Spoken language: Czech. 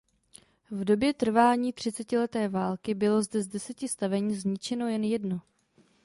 V době trvání třicetileté války bylo zde z deseti stavení zničeno jen jedno.